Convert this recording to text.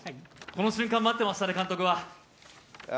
この瞬間待ってましたね、監督は。